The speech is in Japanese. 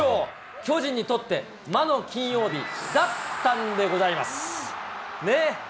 巨人にとって魔の金曜日だったんでございます。ねぇ。